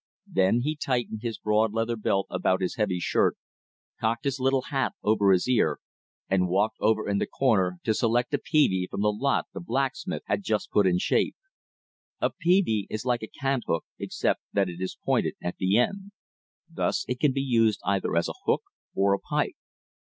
Then he tightened his broad leather belt about his heavy shirt, cocked his little hat over his ear, and walked over in the corner to select a peavey from the lot the blacksmith had just put in shape. A peavey is like a cant hook except that it is pointed at the end. Thus it can be used either as a hook or a pike.